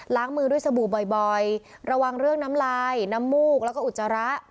มือด้วยสบู่บ่อยระวังเรื่องน้ำลายน้ำมูกแล้วก็อุจจาระ